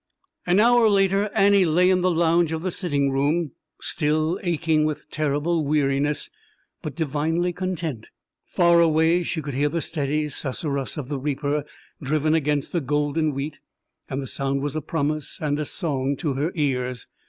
An hour later Annie lay on the lounge in the sitting room, still aching with terrible weariness, but divinely content. Far away she could hear the steady susurrus of the reaper, driven against the golden wheat, and the sound was a promise and a song to her ears.